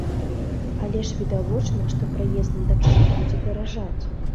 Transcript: Але ж відавочна, што праезд на таксі будзе даражаць.